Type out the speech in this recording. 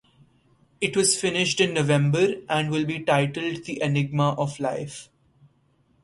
It was finished in November, and will be titled "The Enigma of Life".